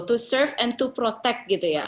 untuk melindungi dan melindungi